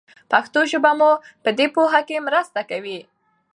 پښتو ژبه مو په دې پوهه کې مرسته کوي.